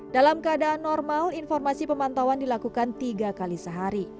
dalam keadaan normal informasi pemantauan dilakukan tiga kali sehari